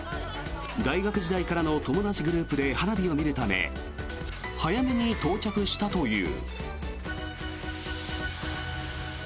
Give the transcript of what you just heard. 大学時代からの友達グループで花火を見るため早めに到着したという。